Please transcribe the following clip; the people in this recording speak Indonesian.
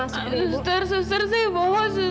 suster suster saya bohong suster